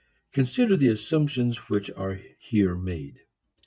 Consider the assumptions which are here made.